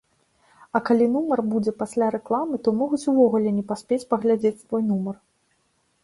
А калі нумар будзе пасля рэкламы, то могуць увогуле не паспець паглядзець твой нумар.